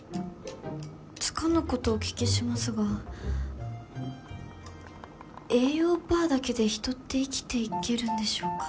つかぬことお聞きしますが栄養バーだけで人って生きていけるんでしょうか？